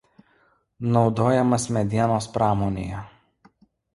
Naudojamas medienos pramonėje.